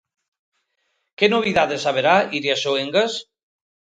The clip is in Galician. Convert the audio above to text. Que novidades haberá, Iria Soengas?